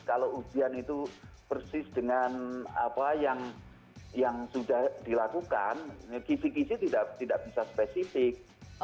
kalau ujian itu persis dengan apa yang sudah dilakukan kisi kisi tidak bisa spesifik